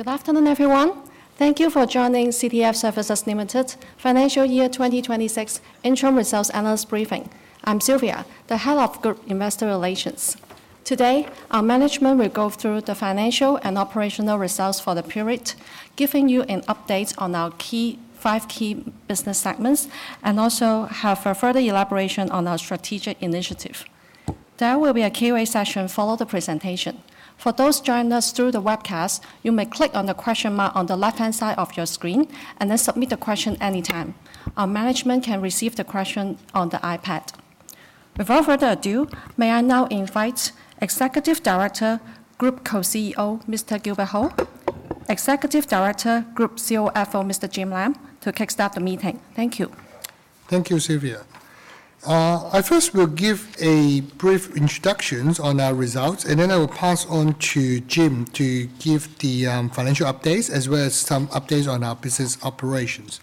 Good afternoon, everyone. Thank you for joining CTF Services Limited Financial Year 2026 Interim Results Analyst Briefing. I'm Silvia, the Head of Group Investor Relations. Today, our management will go through the financial and operational results for the period, giving you an update on our five key business segments and also have a further elaboration on our strategic initiative. There will be a Q&A session following the presentation. For those joining us through the webcast, you may click on the question mark on the left-hand side of your screen and then submit a question anytime. Our management can receive the question on the iPad. Without further ado, may I now invite Executive Director, Group Co-CEO, Mr. Gilbert Ho, Executive Director, Group CFO, Mr. Jim Lam, to kickstart the meeting. Thank you. Thank you, Silvia. I first will give a brief introductions on our results, and then I will pass on to Jim to give the financial updates as well as some updates on our business operations.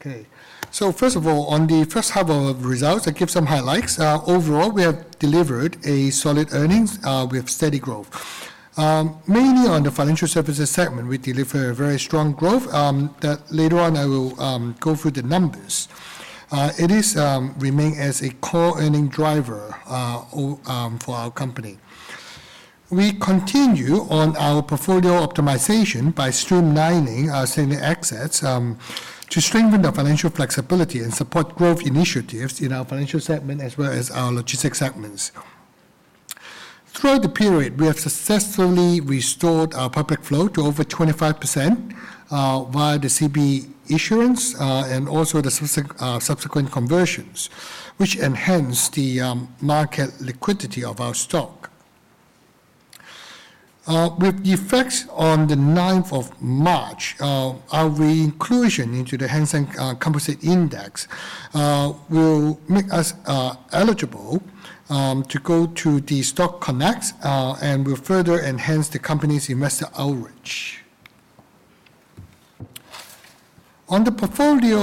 Okay. First of all, on the first half of results, I give some highlights. Overall, we have delivered a solid earnings. We have steady growth. Mainly on the Financial Services segment, we deliver a very strong growth that later on I will go through the numbers. It is remain as a core earning driver for our company. We continue on our portfolio optimization by streamlining our senior assets to strengthen the financial flexibility and support growth initiatives in our Financial segment as well as our Logistics segments. Through the period, we have successfully restored our public flow to over 25% via the CB issuance and also the subsequent conversions, which enhance the market liquidity of our stock. With effects on 9 March, our re-inclusion into the Hang Seng Composite Index will make us eligible to go to the Stock Connect and will further enhance the company's investor outreach. On the portfolio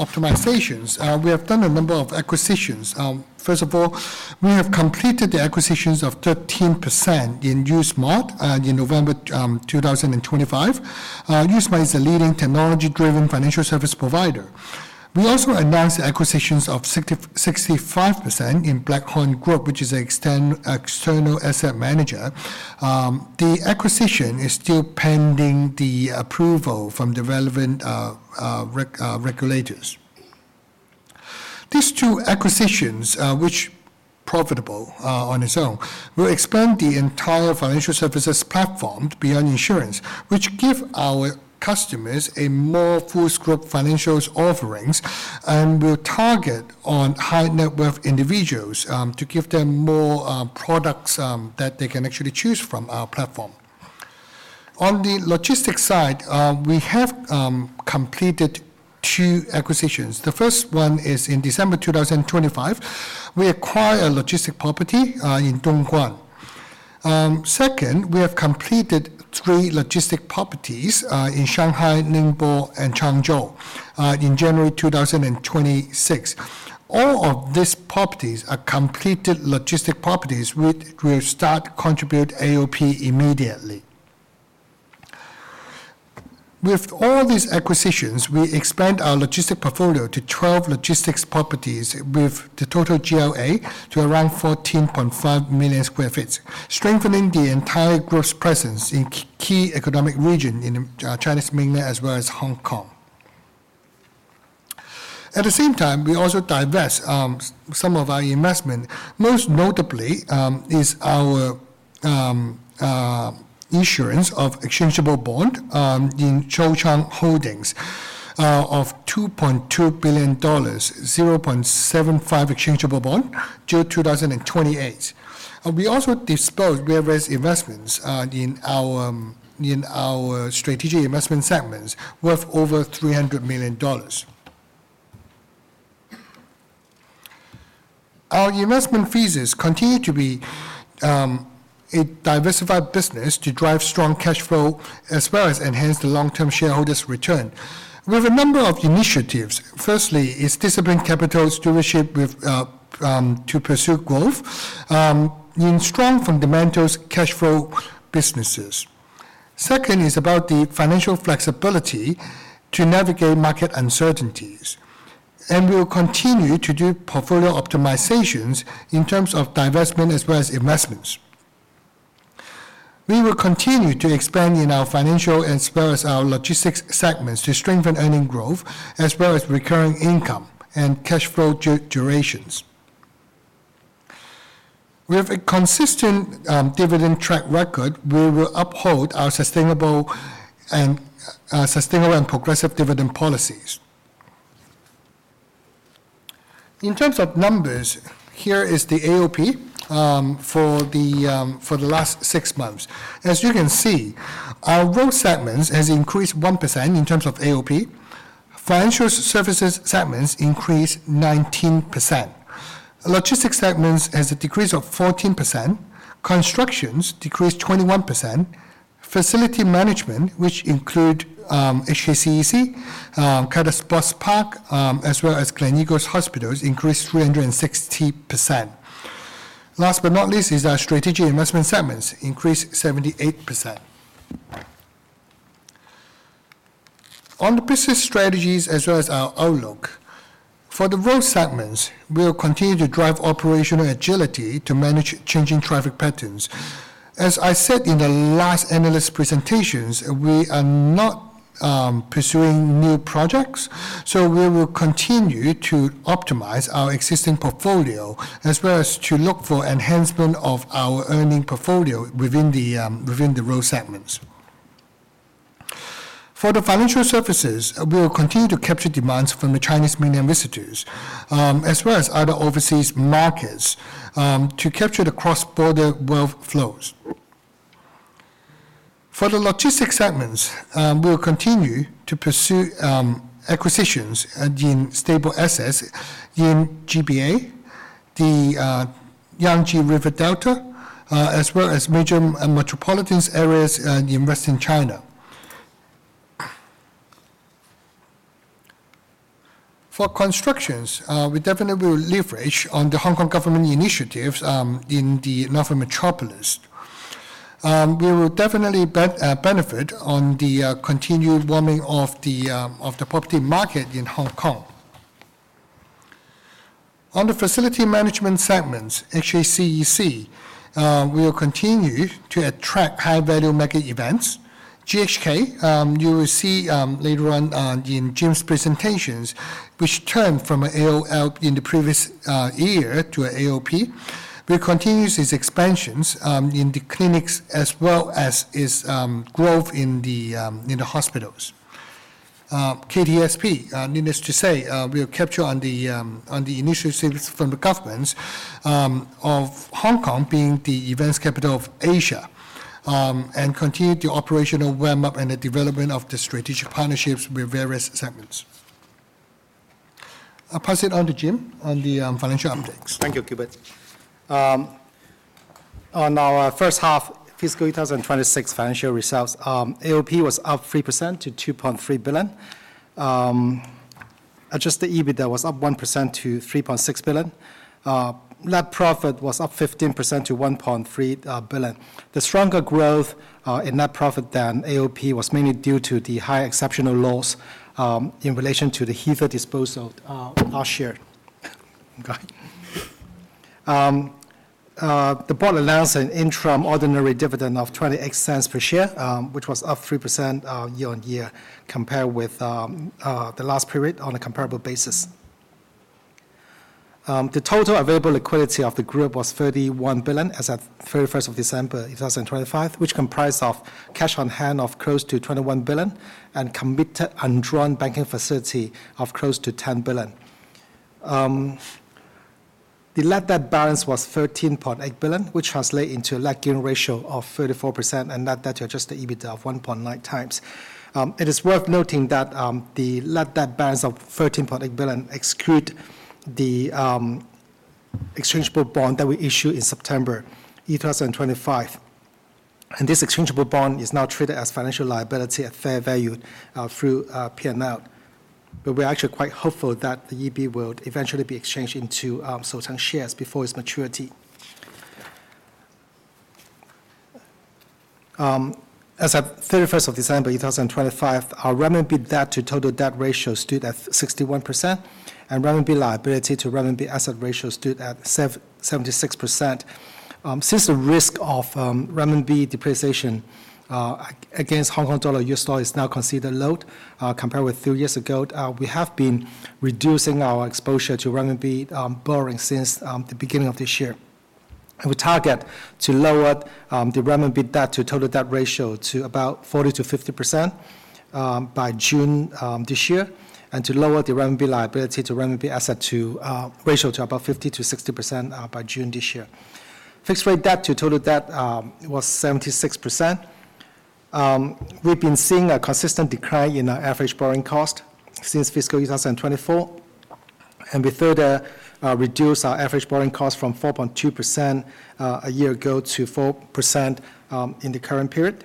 optimizations, we have done a number of acquisitions. First of all, we have completed the acquisitions of 13% in uSMART in November 2025. uSMART is a leading technology-driven financial service provider. We also announced the acquisitions of 65% in Blackhorn Group, which is a external asset manager. The acquisition is still pending the approval from the relevant regulators. These two acquisitions, which profitable on its own, will expand the entire financial services platform beyond insurance, which give our customers a more full-scope financials offerings and will target on high-net-worth individuals, to give them more products that they can actually choose from our platform. On the logistics side, we have completed two acquisitions. The first one is in December 2025, we acquire a logistic property in Dongguan. Second, we have completed three logistic properties in Shanghai, Ningbo, and Changzhou in January 2026. All of these properties are completed logistic properties, which will start contribute AOP immediately. With all these acquisitions, we expand our logistics portfolio to 12 logistics properties with the total GLA to around 14.5 million sq ft, strengthening the entire growth presence in key economic region in Chinese mainland as well as Hong Kong. At the same time, we also divest some of our investment. Most notably is our insurance of exchangeable bond in Shoucheng Holdings of $2.2 billion, 0.75 exchangeable bond due 2028. We also disposed various investments in our strategic investment segments worth over 300 million dollars. Our investment phases continue to be a diversified business to drive strong cash flow as well as enhance the long-term shareholders' return. We have a number of initiatives. Firstly is disciplined capital stewardship with to pursue growth in strong fundamentals cash flow businesses. Second is about the financial flexibility to navigate market uncertainties, and we will continue to do portfolio optimizations in terms of divestment as well as investments. We will continue to expand in our financial as well as our logistics segments to strengthen earning growth as well as recurring income and cash flow durations. With a consistent dividend track record, we will uphold our sustainable and progressive dividend policies. In terms of numbers, here is the AOP for the last six months. As you can see, our growth segments has increased 1% in terms of AOP. Financial Services segments increased 19%. Logistics segments has a decrease of 14%. Constructions decreased 21%. Facility Management, which include HKCEC, Kai Tak Sports Park, as well as Gleneagles Hospitals, increased 360%. Last but not least is our Strategic Investment segments increased 78%. On the business strategies as well as our outlook, for the Road segments, we will continue to drive operational agility to manage changing traffic patterns. As I said in the last analyst presentations, we are not pursuing new projects. We will continue to optimize our existing portfolio as well as to look for enhancement of our earning portfolio within the Road segments. For the Financial Services, we will continue to capture demands from the Chinese mainland visitors, as well as other overseas markets, to capture the cross-border wealth flows. For the Logistics segments, we will continue to pursue acquisitions in stable assets in GBA, the Yangtze River Delta, as well as major and metropolitan areas in Western China. For constructions, we definitely will leverage on the Hong Kong government initiatives in the Northern Metropolis. We will definitely benefit on the continued warming of the property market in Hong Kong. On the Facility Management segments, HKCEC, we will continue to attract high-value mega events. GHK, you will see later on in Jim's presentations, which turned from AOL in the previous year to AOP. We continues its expansions in the clinics as well as its growth in the hospitals. KTSP, needless to say, we will capture on the initiatives from the governments of Hong Kong being the events capital of Asia, and continue the operational warm-up and the development of the strategic partnerships with various segments. I'll pass it on to Jim on the financial updates. Thank you, Gilbert. On our first half fiscal 2026 financial results, AOP was up 3% to 2.3 billion. Adjusted EBITDA was up 1% to 3.6 billion. Net profit was up 15% to 1.3 billion. The stronger growth in net profit than AOP was mainly due to the high exceptional loss in relation to the [Heathrow] disposal last year. Okay. The board allows an interim ordinary dividend of 0.28 per share, which was up 3% year-on-year compared with the last period on a comparable basis. The total available liquidity of the group was 31 billion as at 31 of December 2025, which comprised of cash on hand of close to 21 billion and committed undrawn banking facility of close to 10 billion. The net debt balance was 13.8 billion, which translate into a debt-to-EBITDA ratio of 34% and net debt to adjusted EBITDA of 1.9 x. It is worth noting that the net debt balance of 13.8 billion exclude the exchangeable bond that we issued in September 2025. This exchangeable bond is now treated as financial liability at fair value through P&L. We're actually quite hopeful that the EB will eventually be exchanged into Shoucheng shares before its maturity. As at 31 December, 2025, our renminbi debt to total debt ratio stood at 61% and renminbi liability to renminbi asset ratio stood at 76%. Since the risk of renminbi depreciation against Hong Kong dollar US dollar is now considered low, compared with three years ago, we have been reducing our exposure to renminbi borrowing since the beginning of this year. We target to lower the renminbi debt to total debt ratio to about 40%-50% by June this year, and to lower the renminbi liability to renminbi asset ratio to about 50%-60% by June this year. Fixed rate debt to total debt was 76%. We've been seeing a consistent decline in our average borrowing cost since fiscal 2024. We further reduced our average borrowing cost from 4.2% a year ago to 4% in the current period.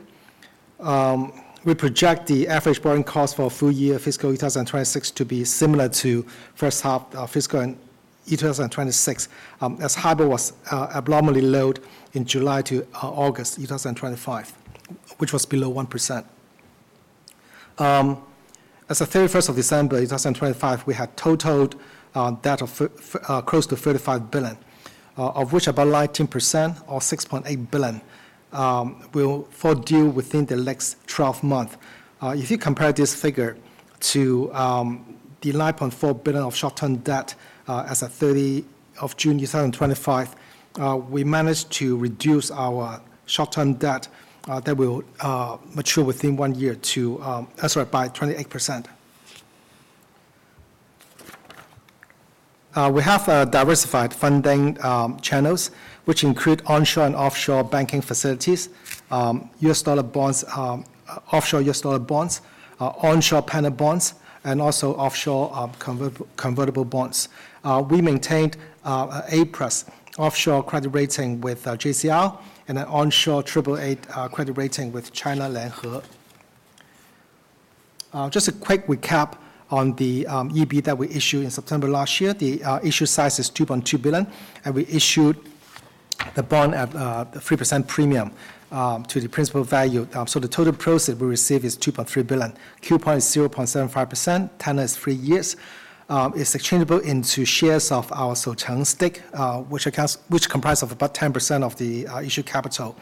We project the average borrowing cost for full year fiscal 2026 to be similar to first half fiscal 2026 as HIBOR was abnormally low in July to August 2025, which was below 1%. As of 31st of December 2025, we had total debt close to 35 billion of which about 19% or 6.8 billion will fall due within the next 12 month. If you compare this figure to 9.4 billion of short-term debt, as at 30 June, 2025, we managed to reduce our short-term debt that will mature within one year by 28%. We have diversified funding channels, which include onshore and offshore banking facilities, U.S. dollar bonds, offshore U.S. dollar bonds, onshore Panda bonds, and also offshore convertible bonds. We maintained A+ offshore credit rating with JCR and an onshore triple A credit rating with China Lianhe. Just a quick recap on the EB that we issued in September last year. The issue size is 2.2 billion, and we issued the bond at 3% premium to the principal value. The total proceeds we received is 2.3 billion. Coupon is 0.75%. Tenor is three years. It's exchangeable into shares of our Shoucheng stake, which comprise of about 10% of the issued capital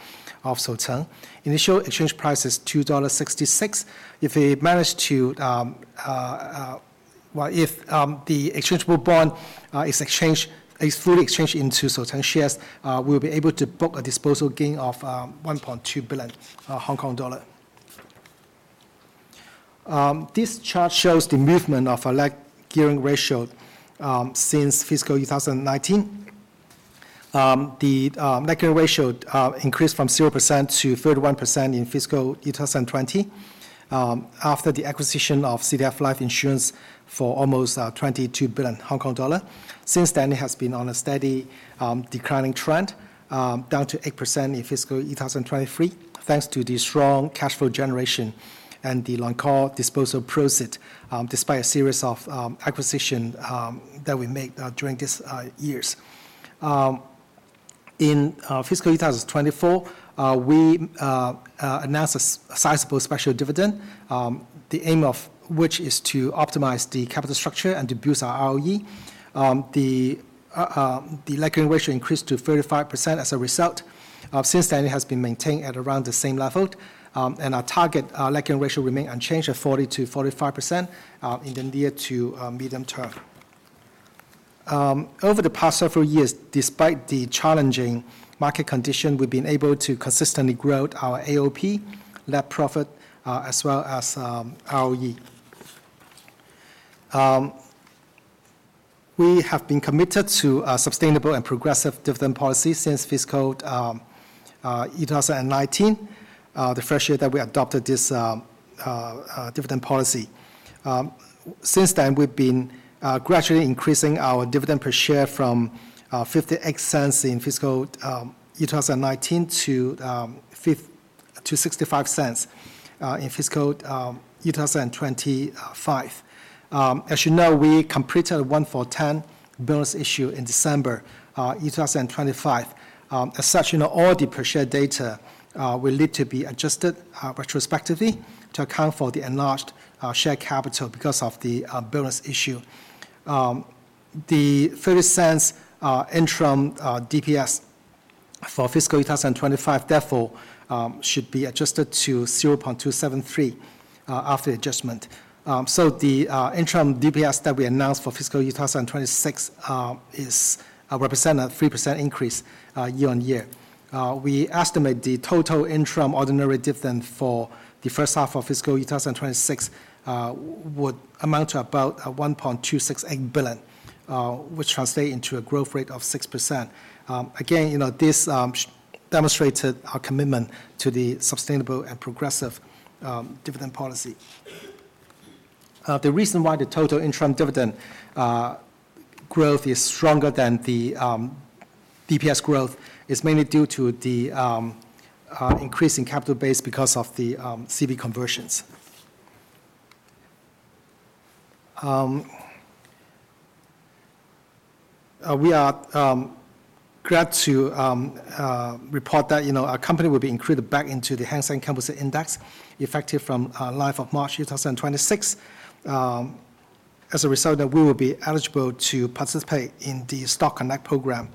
of Shoucheng. Initial exchange price is 2.66 dollars. If the exchangeable bond is fully exchanged into Shoucheng shares, we'll be able to book a disposal gain of 1.2 billion Hong Kong dollar. This chart shows the movement of our net gearing ratio since fiscal year 2019. The net gearing ratio increased from 0% to 31% in fiscal year 2020 after the acquisition of CTF Life Insurance for almost 22 billion Hong Kong dollar. Since then, it has been on a steady declining trend, down to 8% in fiscal year 2023, thanks to the strong cash flow generation and the Lancore disposal proceed, despite a series of acquisition that we made during this years. In fiscal year 2024, we announced a sizable special dividend, the aim of which is to optimize the capital structure and to boost our ROE. The net gearing ratio increased to 35% as a result. Since then, it has been maintained at around the same level, and our target net gearing ratio remain unchanged at 40%-45% in the near to medium term. Over the past several years, despite the challenging market condition, we've been able to consistently grow our AOP, net profit, as well as ROE. We have been committed to a sustainable and progressive dividend policy since fiscal 2019, the first year that we adopted this dividend policy. Since then, we've been gradually increasing our dividend per share from 0.58 in fiscal 2019 to 0.65 in fiscal 2025. As you know, we completed one-for-ten bonus issue in December 2025. As such, you know, all the per share data will need to be adjusted retrospectively to account for the enlarged share capital because of the bonus issue. The $0.30 interim DPS for fiscal 2025 therefore should be adjusted to 0.273 after adjustment. The interim DPS that we announced for fiscal 2026 is represent a 3% increase year-on-year. We estimate the total interim ordinary dividend for the first half of fiscal 2026 would amount to about 1.268 billion, which translate into a growth rate of 6%. Again, you know, this demonstrated our commitment to the sustainable and progressive dividend policy. The reason why the total interim dividend growth is stronger than the DPS growth is mainly due to the increase in capital base because of the CB conversions. We are glad to report that, you know, our company will be included back into the Hang Seng Composite Index effective from 9 March 2026. As a result of that, we will be eligible to participate in the Stock Connect program,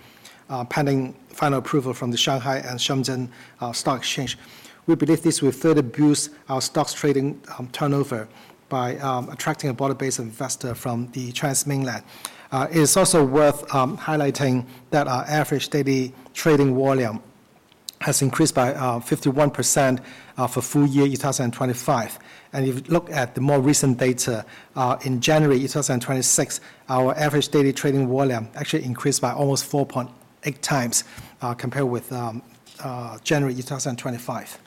pending final approval from the Shanghai and Shenzhen Stock Exchange. We believe this will further boost our stocks trading turnover by attracting a broader base of investor from the Chinese mainland. It is also worth highlighting that our average daily trading volume has increased by 51% for full year 2025. If you look at the more recent data, in January 2026, our average daily trading volume actually increased by almost 4.8x compared with January 2025.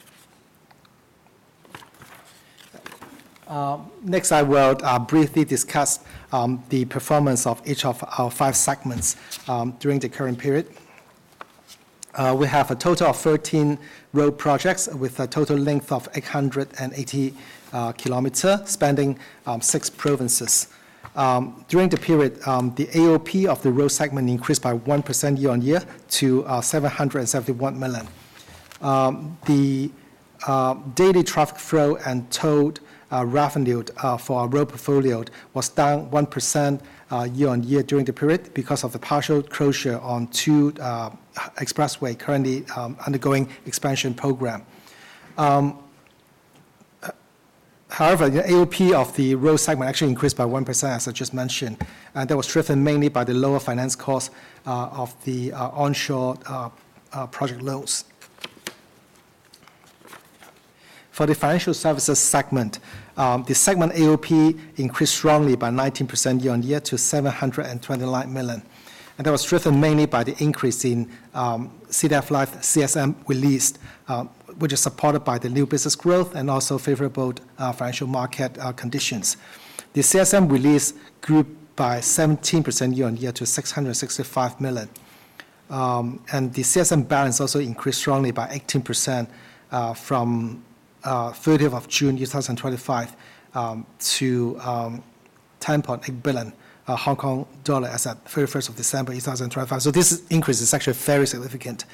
Next, I will briefly discuss the performance of each of our five segments during the current period. We have a total of 13 Road projects with a total length of 880 km, spanning six provinces. During the period, the AOP of the Road segment increased by 1% year-over-year to 771 million. The daily traffic flow and toll revenue for our Road portfolio was down 1% year-over-year during the period because of the partial closure on two expressway currently undergoing expansion program. However, the AOP of the Road segment actually increased by 1%, as I just mentioned. That was driven mainly by the lower finance costs of the onshore project loans. For the Financial Services segment, the segment AOP increased strongly by 19% year-on-year to 729 million. That was driven mainly by the increase in CTF Life CSM released, which is supported by the new business growth and also favorable financial market conditions. The CSM release grew by 17% year-on-year to 665 million. The CSM balance also increased strongly by 18% from June 30, 2025 to 10.8 billion Hong Kong dollar as at 31 December, 2025. This increase is actually very significant.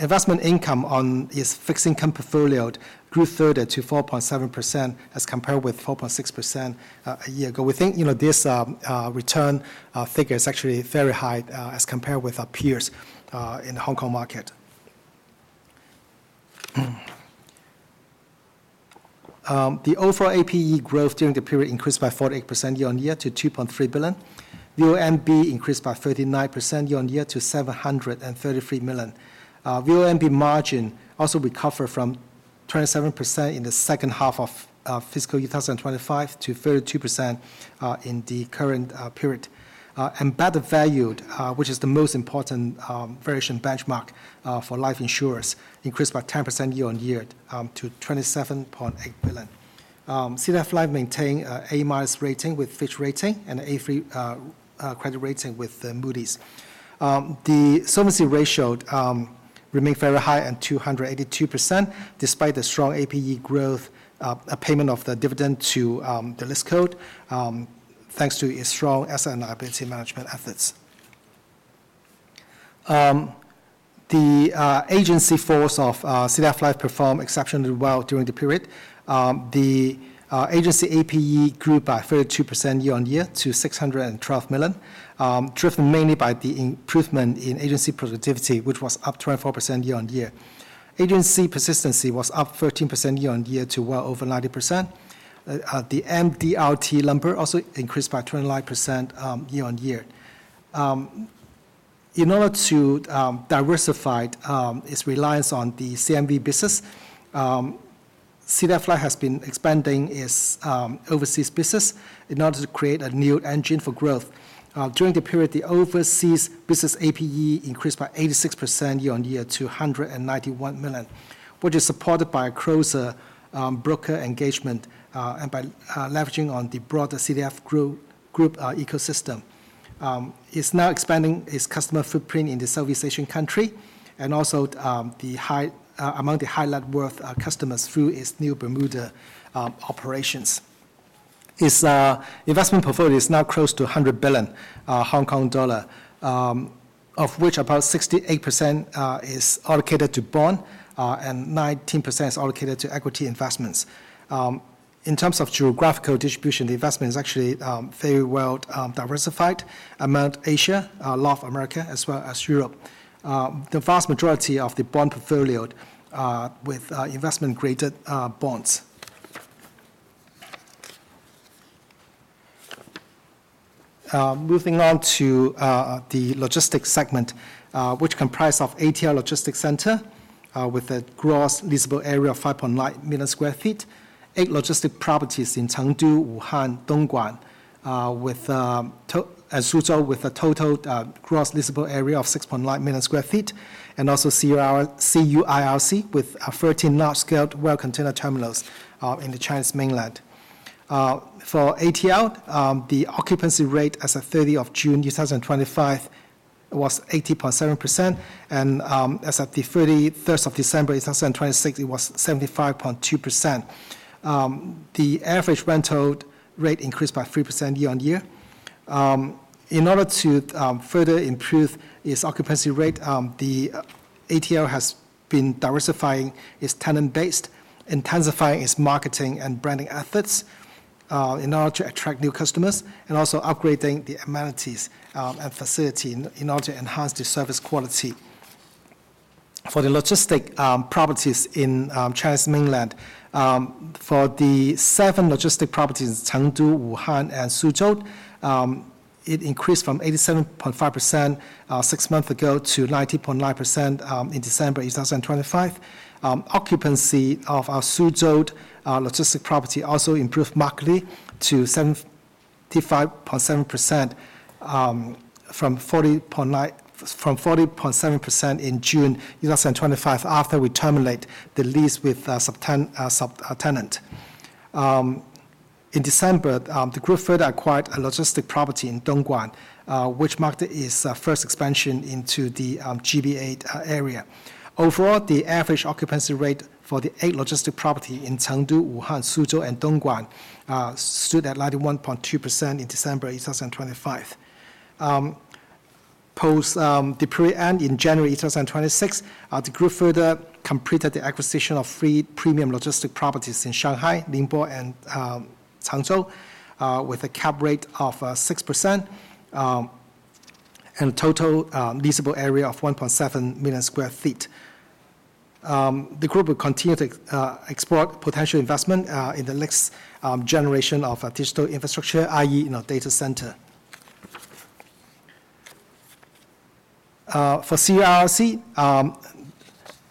Investment income on its fixed income portfolio grew further to 4.7% as compared with 4.6% a year ago. We think, you know, this return figure is actually very high as compared with our peers in the Hong Kong market. The overall APE growth during the period increased by 48% year-on-year to 2.3 billion. VUNB increased by 39% year-on-year to 733 million. VUNB margin also recovered from 27% in the second half of fiscal year 2025 to 32% in the current period. Embedded value, which is the most important valuation benchmark for life insurers, increased by 10% year-on-year to 27.8 billion. CTF Life maintained A-minus rating with Fitch Ratings and A3 credit rating with Moody's. The solvency ratio remained very high at 282% despite the strong APE growth, payment of the dividend to the list code, thanks to its strong asset and liability management efforts. The agency force of CTF Life performed exceptionally well during the period. The agency APE grew by 32% year-on-year to 612 million, driven mainly by the improvement in agency productivity, which was up 24% year-on-year. Agency persistency was up 13% year-on-year to well over 90%. The MDRT number also increased by 29% year-on-year. In order to diversify its reliance on the CMB business, CTF Life has been expanding its overseas business in order to create a new engine for growth. During the period, the overseas business APE increased by 86% year on year to 191 million, which is supported by closer broker engagement and by leveraging on the broader CTF group ecosystem. It's now expanding its customer footprint in the Southeast Asian country and also among the high net worth customers through its new Bermuda operations. Its investment portfolio is now close to 100 billion Hong Kong dollar, of which about 68% is allocated to bond and 19% is allocated to equity investments. In terms of geographical distribution, the investment is actually very well diversified among Asia, Latin America, as well as Europe. The vast majority of the bond portfolio are with investment-graded bonds. Moving on to the Logistics segment, which comprise of ATL Logistics Centre, with a gross leasable area of 5.9 million sq ft, eight logistic properties in Chengdu, Wuhan, Dongguan, and Suzhou with a total gross leasable area of 6.9 million sq ft, and also CUIRC with 13 large-scale well container terminals in the Chinese mainland. For ATL, the occupancy rate as of 30 June, 2025, was 80.7%, and as at 31 December, 2026, it was 75.2%. The average rental rate increased by 3% year-over-year. In order to further improve its occupancy rate, the ATL has been diversifying its tenant base, intensifying its marketing and branding efforts, in order to attract new customers, and also upgrading the amenities and facility in order to enhance the service quality. For the logistic properties in Chinese mainland, for the seven logistic properties in Chengdu, Wuhan, and Suzhou, it increased from 87.5% six months ago to 90.9% in December 2025. Occupancy of our Suzhou logistic property also improved markedly to 75.7% from 40.7% in June 2025 after we terminate the lease with a subtenant. In December, the group further acquired a logistic property in Dongguan, which marked its first expansion into the GBA area. Overall, the average occupancy rate for the eight logistic property in Chengdu, Wuhan, Suzhou, and Dongguan stood at 91.2% in December 2025. Post the period end in January 2026, the group further completed the acquisition of three premium logistic properties in Shanghai, Ningbo, and Changzhou, with a cap rate of 6%, and a total leasable area of 1.7 million sq ft. The group will continue to explore potential investment in the next generation of digital infrastructure, i.e., in our data center. For CUIRC,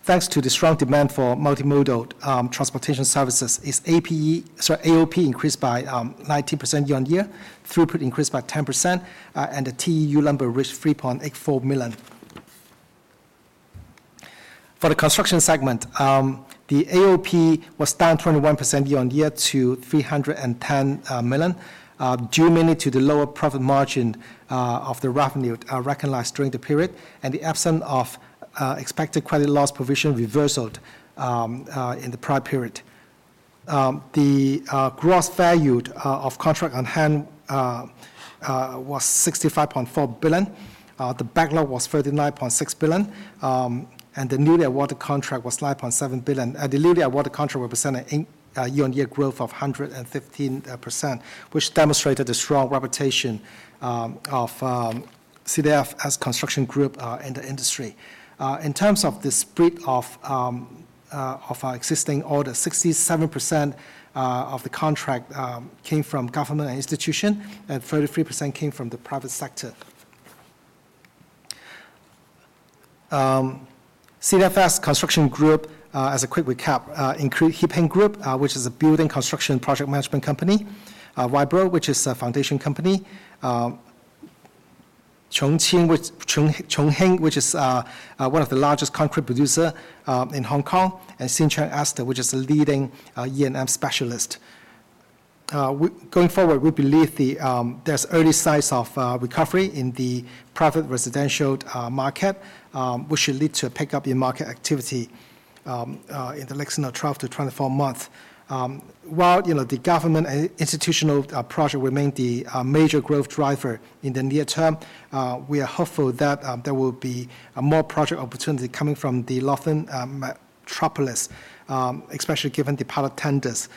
thanks to the strong demand for multimodal transportation services, its APE, sorry, AOP increased by 19% year-on-year, throughput increased by 10%, and the TEU number reached 3.84 million. For the Construction segment, the AOP was down 21% year-on-year to 310 million, due mainly to the lower profit margin of the revenue recognized during the period and the absence of expected credit loss provision reversaled in the prior period. The gross value of contract on hand was 65.4 billion. The backlog was 39.6 billion, and the newly awarded contract was 9.7 billion. The newly awarded contract represented a year-on-year growth of 115%, which demonstrated the strong reputation of CTFS Construction Group in the industry. In terms of the split of our existing orders, 67% of the contract came from government and institution, and 33% came from the private sector. CTF's construction group, as a quick recap, include Hip Hing Group, which is a building construction project management company, Vibro, which is a foundation company, Chun Hing, which is one of the largest concrete producer in Hong Kong, and Hsin Chong Aster, which is a leading E&M specialist. Going forward, we believe the. There's early signs of recovery in the private residential market, which should lead to a pickup in market activity in the next 12 to 24 month. The government and institutional project remain the major growth driver in the near term, we are hopeful that there will be more project opportunity coming from the Northern Metropolis, especially given the pilot tenders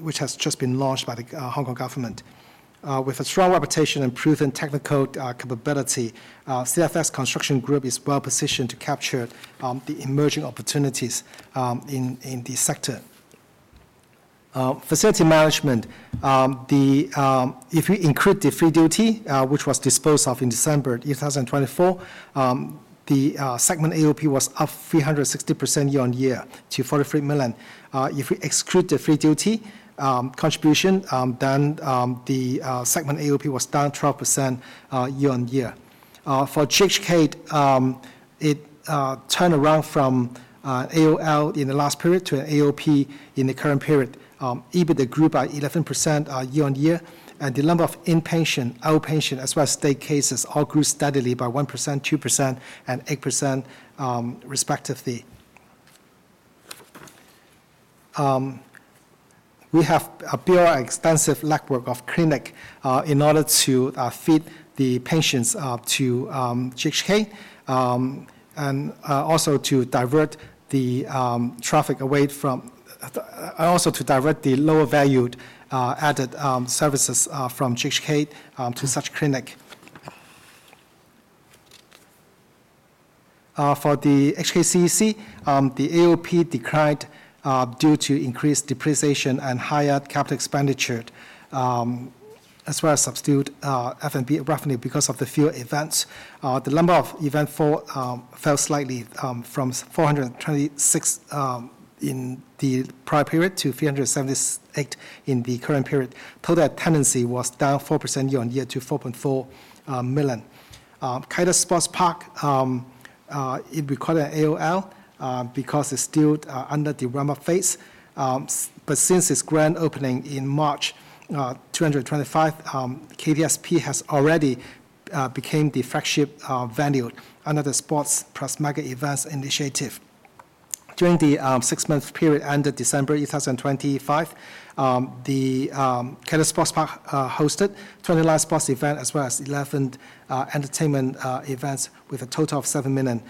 which has just been launched by the Hong Kong government. With a strong reputation and proven technical capability, CTFS Construction Group is well positioned to capture the emerging opportunities in the sector. Facility management. We include the Free Duty, which was disposed of in December 2024, the segment AOP was up 360% year-on-year to 43 million. We exclude the Free Duty contribution, the segment AOP was down 12% year-on-year. For GHK, it turned around from AOL in the last period to AOP in the current period. EBITDA grew by 11% year-on-year, the number of inpatient, outpatient, as well as day cases all grew steadily by 1%, 2%, and 8% respectively. We have a pure extensive network of clinic in order to feed the patients to GHK, also to divert the traffic away from. Also to divert the lower valued added services from CHK to such clinic. For the HKCEC, the AOP declined due to increased depreciation and higher capital expenditure, as well as subdued F&B revenue because of the fewer events. The number of event fall fell slightly from 426 in the prior period to 378 in the current period. Total tenancy was down 4% year-over-year to 4.4 million. Kai Tak Sports Park, it recorded AOL because it's still under development phase. Since its grand opening in March 2025, KTSP has already became the flagship venue under the Sports Plus Mega Events initiative. During the six-month period ended December 2025, the Kai Tak Sports Park hosted 20 live sports event as well as 11 entertainment events with a total of 7 million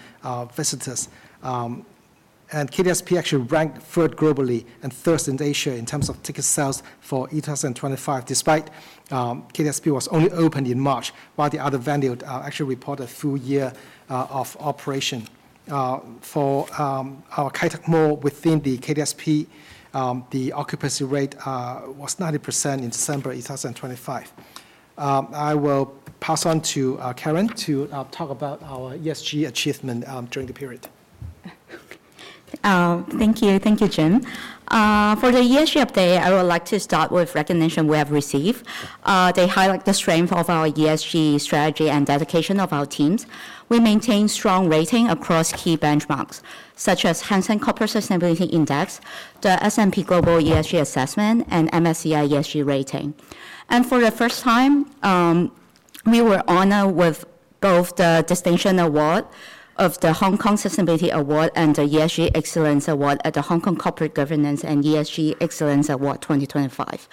visitors. KTSP actually ranked third globally and first in Asia in terms of ticket sales for 2025, despite KTSP was only opened in March, while the other venues actually report a full year of operation. For our Kai Tak Mall within the KTSP, the occupancy rate was 90% in December 2025. I will pass on to Karen to talk about our ESG achievement during the period. Thank you. Thank you, Jim. For the ESG update, I would like to start with recognition we have received. They highlight the strength of our ESG strategy and dedication of our teams. We maintain strong rating across key benchmarks, such as Hang Seng Corporate Sustainability Index, the S&P Global ESG Assessment, and MSCI ESG rating. For the first time, we were honored with both the Distinction Award of the Hong Kong Sustainability Award and the ESG Excellence Award at the Hong Kong Corporate Governance and ESG Excellence Awards 2025.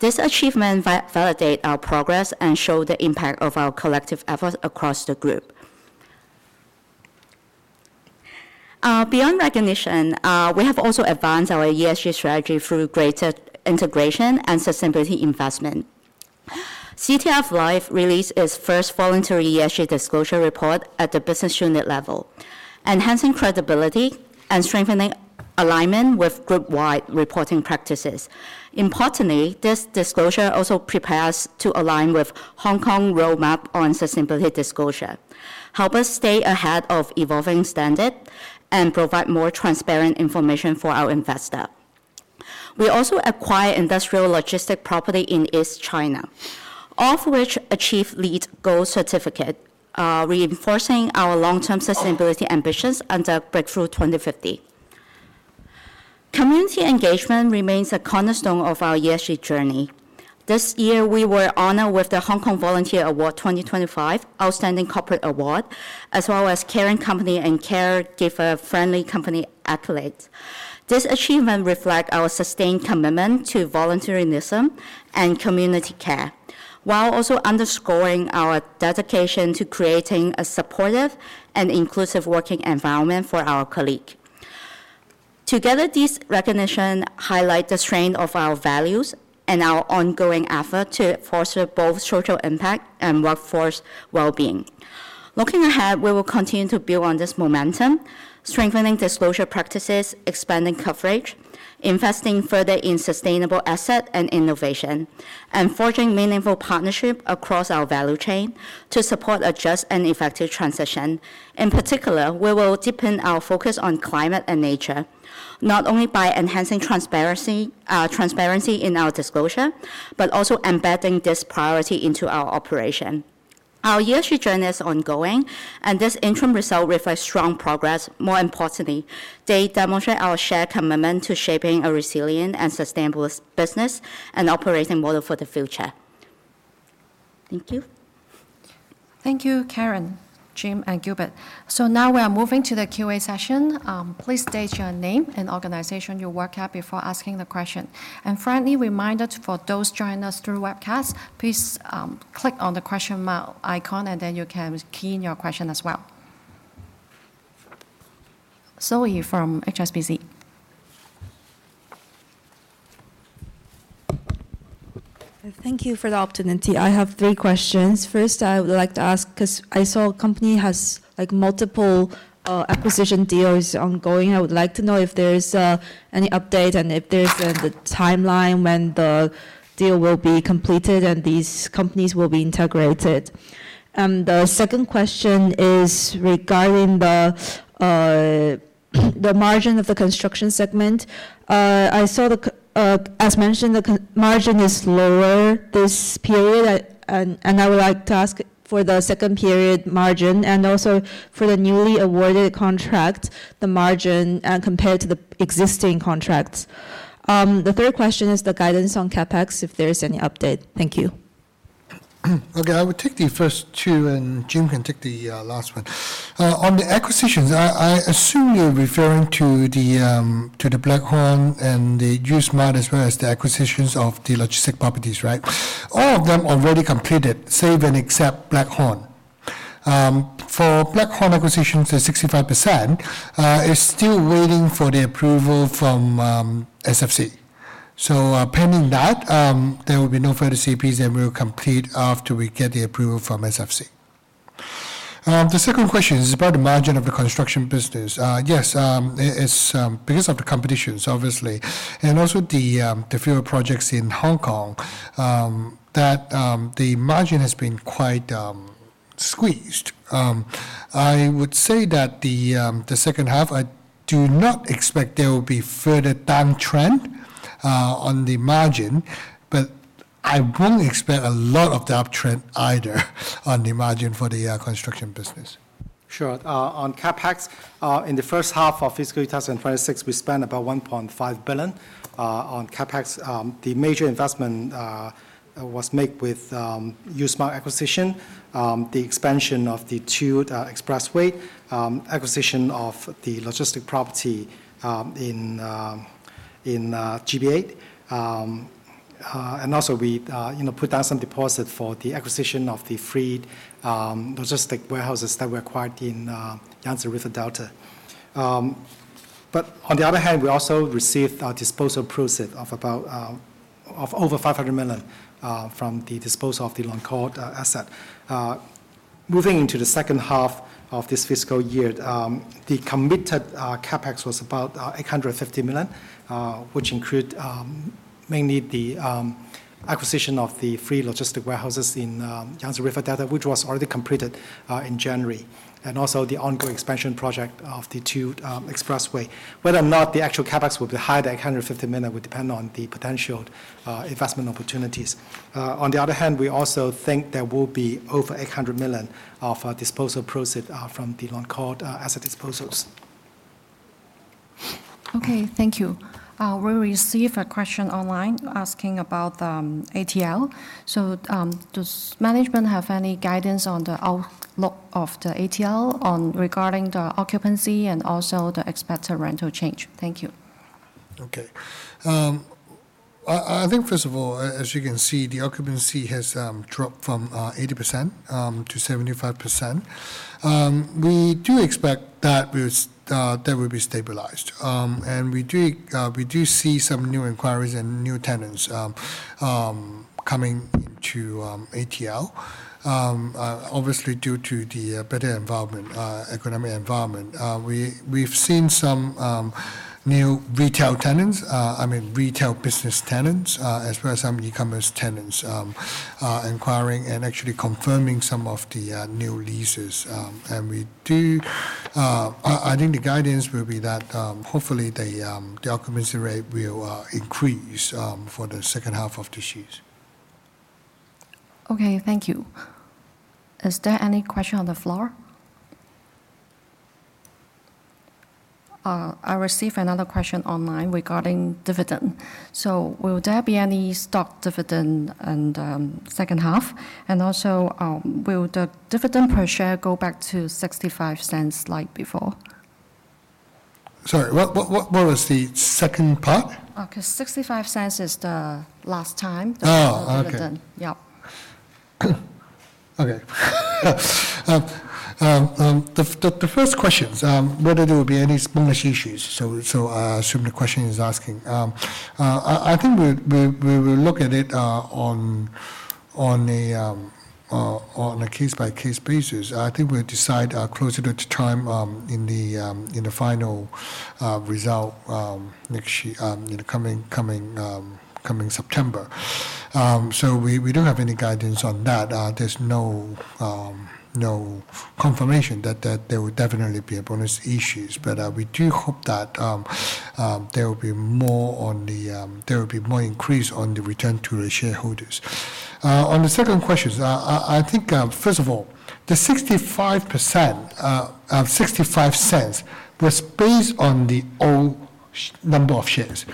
This achievement validate our progress and show the impact of our collective efforts across the group. Beyond recognition, we have also advanced our ESG strategy through greater integration and sustainability investment. CTF Life released its first voluntary ESG disclosure report at the business unit level, enhancing credibility and strengthening alignment with group-wide reporting practices. Importantly, this disclosure also prepare us to align with Hong Kong roadmap on sustainability disclosure, help us stay ahead of evolving standard, and provide more transparent information for our investor. We also acquire industrial logistic property in East China, all of which achieve LEED Gold certificate, reinforcing our long-term sustainability ambitions under Breakthrough 2050. Community engagement remains a cornerstone of our ESG journey. This year we were honored with the Hong Kong Volunteer Award 2025 Outstanding Corporate Award, as well as Caring Company and Caregiver-friendly Company accolades. This achievement reflect our sustained commitment to volunteerism and community care, while also underscoring our dedication to creating a supportive and inclusive working environment for our colleague. Together, these recognition highlight the strength of our values and our ongoing effort to foster both social impact and workforce wellbeing. Looking ahead, we will continue to build on this momentum, strengthening disclosure practices, expanding coverage, investing further in sustainable asset and innovation, and forging meaningful partnership across our value chain to support a just and effective transition. In particular, we will deepen our focus on climate and nature, not only by enhancing transparency in our disclosure, but also embedding this priority into our operation. Our ESG journey is ongoing, and this interim result reflects strong progress. More importantly, they demonstrate our shared commitment to shaping a resilient and sustainable business and operating model for the future. Thank you. Thank you, Karen, Jim, and Gilbert. Now we are moving to the Q&A session. Please state your name and organization you work at before asking the question. Friendly reminder for those joining us through webcast, please click on the question mark icon and then you can key in your question as well. Zoe from HSBC. Thank you for the opportunity. I have three questions. First, I would like to ask, 'cause I saw company has, like, multiple acquisition deals ongoing. I would like to know if there is any update and if there's a timeline when the deal will be completed and these companies will be integrated. The second question is regarding the margin of the construction segment. I saw as mentioned, the margin is lower this period and I would like to ask for the second period margin and also for the newly awarded contract, the margin compared to the existing contracts. The third question is the guidance on CapEx, if there is any update. Thank you. I will take the first two, and Jim can take the last one. On the acquisitions, I assume you're referring to the Blackhorn and the uSMART as well as the acquisitions of the logistics properties, right? All of them already completed, save and except Blackhorn. For Blackhorn acquisition to 65%, is still waiting for the approval from SFC. Pending that, there will be no further CPs and we'll complete after we get the approval from SFC. The second question is about the margin of the construction business. Yes, it is because of the competition obviously, and also the fewer projects in Hong Kong, that the margin has been quite squeezed. I would say that the second half, I do not expect there will be further downtrend on the margin, but I wouldn't expect a lot of the uptrend either on the margin for the construction business. Sure. On CapEx, in the first half of fiscal year 2026, we spent about 1.5 billion on CapEx. The major investment was made with uSMART acquisition, the expansion of the Tiu Expressway, acquisition of the logistic property in GBA. Also we, you know, put down some deposit for the acquisition of the three logistic warehouses that we acquired in Yangtze River Delta. On the other hand, we also received a disposal proceed of about over 500 million from the disposal of the Lancore asset. Moving into the second half of this fiscal year, the committed CapEx was about 850 million, which include mainly the acquisition of the three logistics warehouses in Yangtze River Delta, which was already completed in January, and also the ongoing expansion project of the Tiu Expressway. Whether or not the actual CapEx will be higher than 850 million would depend on the potential investment opportunities. On the other hand, we also think there will be over 800 million of disposal proceeds from the Lancore asset disposals. Okay, thank you. We receive a question online asking about ATL. Does management have any guidance on the outlook of the ATL on regarding the occupancy and also the expected rental change? Thank you. Okay. I think first of all, as you can see, the occupancy has dropped from 80% to 75%. We do expect that will be stabilized. We do see some new inquiries and new tenants coming to ATL, obviously due to the better environment, economic environment. We've seen some new retail tenants, I mean, retail business tenants, as well as some e-commerce tenants inquiring and actually confirming some of the new leases. I think the guidance will be that hopefully the occupancy rate will increase for the second half of this year. Okay, thank you. Is there any question on the floor? I received another question online regarding dividend. Will there be any stock dividend in the second half? Will the dividend per share go back to 0.65 like before? Sorry, what was the second part? 'Cause 0.65 is the last time. Oh, okay. The dividend. Yep. Okay. The first questions, whether there will be any bonus issues. Assume the question is asking. I think we will look at it on a case-by-case basis. I think we'll decide closer to time in the final result in the coming September. We don't have any guidance on that. There's no confirmation that there will definitely be a bonus issues. We do hope that there will be more on the, there will be more increase on the return to the shareholders. On the second questions, I think, first of all, the 65%, HKD 0.65 was based on the old number of shares.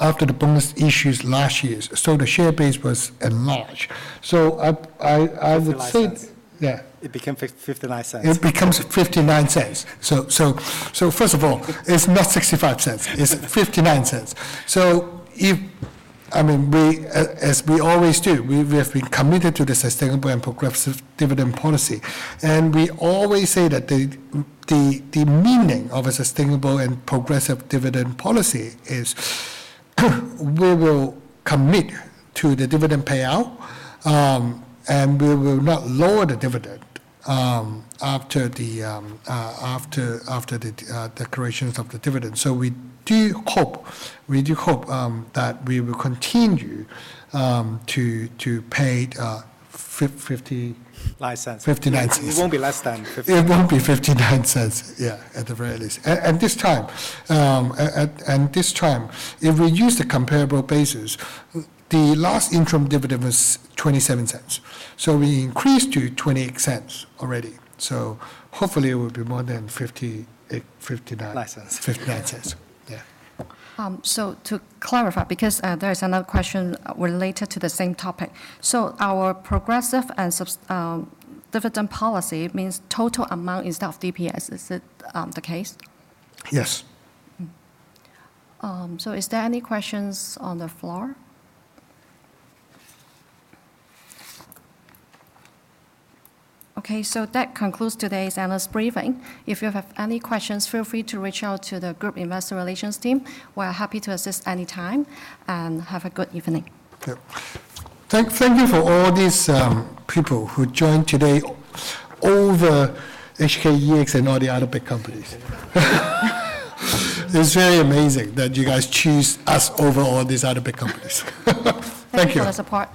After the bonus issues last years, the share base was enlarged. I would think. HKD 0.59. Yeah. It became 0.59. It becomes 0.59. first of all, it's not 0.65. It's 0.59. I mean, we, as we always do, we have been committed to the sustainable and progressive dividend policy. we always say that the meaning of a sustainable and progressive dividend policy is we will commit to the dividend payout, and we will not lower the dividend after the declarations of the dividend. we do hope that we will continue to pay fifty. 0.59. 0.59. Yeah, it won't be less than 0.59. It won't be 0.59, yeah, at the very least. This time, if we use the comparable basis, the last interim dividend was 0.27. We increased to 0.28 already. Hopefully it will be more than 0.58, 0.59. 0.59. 0.59. Yeah. To clarify, because, there is another question related to the same topic. Our progressive and dividend policy means total amount instead of DPS. Is that the case? Yes. Is there any questions on the floor? That concludes today's analyst briefing. If you have any questions, feel free to reach out to the group investor relations team. We are happy to assist anytime. Have a good evening. Okay. Thank you for all these people who joined today, all the HKEX and all the other big companies. It's very amazing that you guys choose us over all these other big companies. Thank you. Thank you for the support.